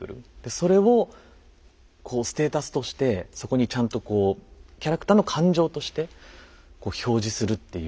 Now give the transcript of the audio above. それをこうステータスとしてそこにちゃんとこうキャラクターの感情としてこう表示するっていう。